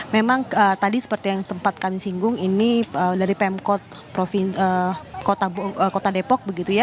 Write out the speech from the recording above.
memang tadi seperti yang tempat kami singgung ini dari pemkot kota depok begitu ya